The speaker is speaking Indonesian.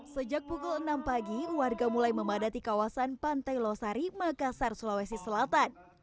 sejak pukul enam pagi warga mulai memadati kawasan pantai losari makassar sulawesi selatan